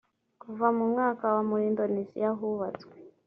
kuva mu mwaka wa muri indoneziya hubatswe